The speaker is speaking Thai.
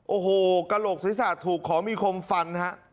โอ้โหกระโหลกสัตว์ศาสตร์ถูกขอมีคมฟัน